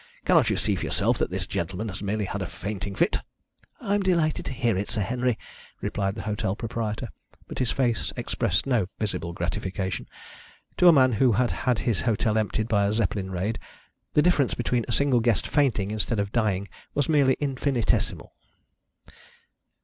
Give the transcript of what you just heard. Cannot you see for yourself that this gentleman has merely had a fainting fit?" "I'm delighted to hear it, Sir Henry," replied the hotel proprietor. But his face expressed no visible gratification. To a man who had had his hotel emptied by a Zeppelin raid the difference between a single guest fainting instead of dying was merely infinitesimal.